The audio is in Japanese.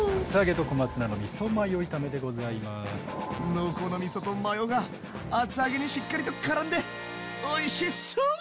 濃厚なみそとマヨが厚揚げにしっかりとからんでおいしそう！